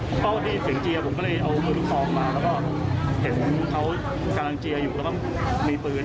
เพราะได้ยินเสียงเจียผมก็เลยเอามือลูกซองมาแล้วก็เห็นเขากำลังเจียอยู่แล้วก็มีปืน